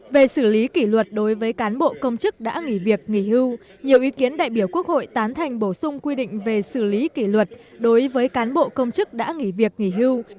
về xử lý kỷ luật đối với cán bộ công chức đã nghỉ việc nghỉ hưu nhiều ý kiến đại biểu quốc hội tán thành bổ sung quy định về xử lý kỷ luật đối với cán bộ công chức đã nghỉ việc nghỉ hưu